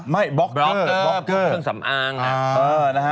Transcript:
ไม่บล็อกเกอร์บล็อกเกอร์คือเครื่องสำอางนะฮะอ๋อนะฮะ